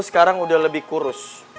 sekarang udah lebih kurus